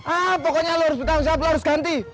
ah pokoknya lu harus betul betul harus ganti